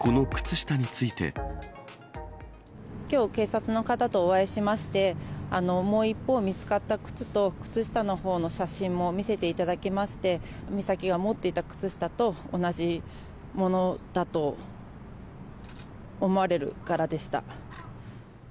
きょう、警察の方とお会いしまして、もう一方、見つかった靴と靴下のほうの写真も見せていただきまして、美咲が持っていた靴下と同じものだと思われる柄でした。